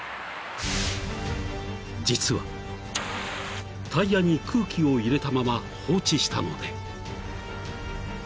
［実はタイヤに空気を入れたまま放置したので］